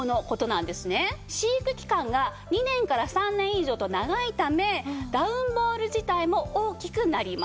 飼育期間が２年から３年以上と長いためダウンボール自体も大きくなります。